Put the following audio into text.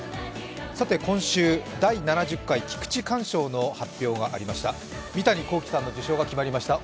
さて、今週、第７０回菊池寛賞の発表がありました。